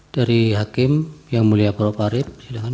dari hakim yang mulia kuro parip silakan